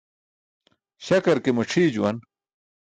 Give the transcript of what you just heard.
Śakar ke macʰii juwan.